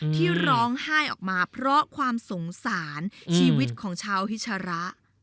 ที่ร้องไห้ออกมาเพราะความสงสารชีวิตของชาวฮิชระ